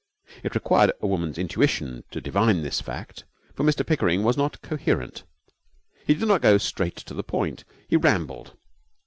It required a woman's intuition to divine this fact, for Mr Pickering was not coherent. He did not go straight to the point. He rambled.